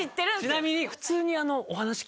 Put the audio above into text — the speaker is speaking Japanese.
ちなみに。